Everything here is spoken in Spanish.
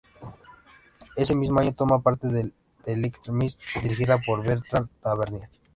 Ese mismo año toma parte en "The Electric Mist", dirigida por Bertrand Tavernier.